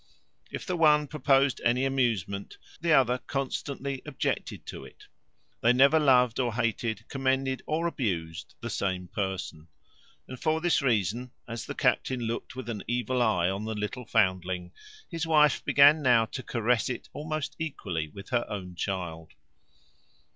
If the one proposed any amusement, the other constantly objected to it: they never loved or hated, commended or abused, the same person. And for this reason, as the captain looked with an evil eye on the little foundling, his wife began now to caress it almost equally with her own child.